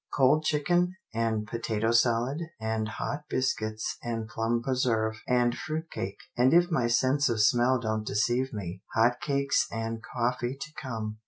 " Cold chicken, and potato salad, and hot biscuits and plum preserve, and fruit cake, and if my sense of smell don't deceive me, hot cakes and coffee to come.